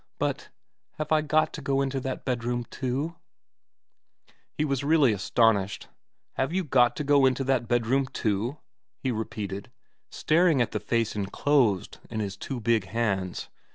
But have I got to go into that bedroom too ?' He was really astonished. ' Have you got to go into that bedroom too ?' he repeated, staring at the face enclosed in his two big hands.